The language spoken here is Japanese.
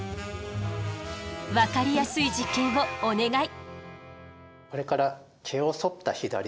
分かりやすい実験をお願い！